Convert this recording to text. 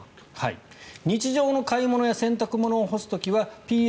日常の買い物や洗濯物を干す時はＰＡ